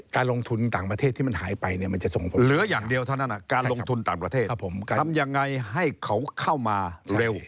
การลงทุนต่างประเทศทำยังไงให้เขาเข้ามาเร็ว